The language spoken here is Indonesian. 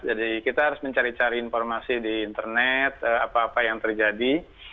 jadi kita harus mencari cari informasi di internet apa apa yang terjadi